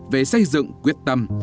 về xây dựng quyết tâm